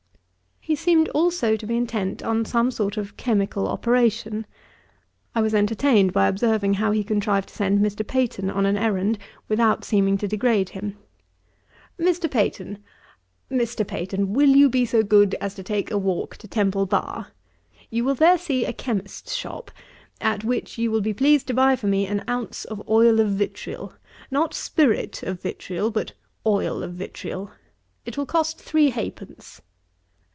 He seemed also to be intent on some sort of chymical operation. I was entertained by observing how he contrived to send Mr. Peyton on an errand, without seeming to degrade him. 'Mr. Peyton, Mr. Peyton, will you be so good as to take a walk to Temple Bar? You will there see a chymist's shop; at which you will be pleased to buy for me an ounce of oil of vitriol; not spirit of vitriol, but oil of vitriol. It will cost three half pence.'